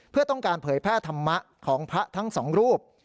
เพื่อต้องการเผยแพร่ธรรมะของพระทั้งสองรูป